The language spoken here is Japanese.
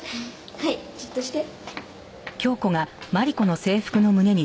はいじっとして。